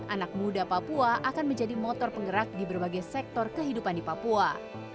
anak muda papua akan menjadi motor penggerak di berbagai sektor kehidupan di papua